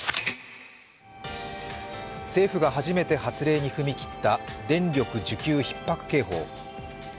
政府が初めて発令に踏み切った電力需給ひっ迫警報。